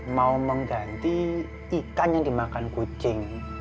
mau mengganti ikan yang dimakan kucing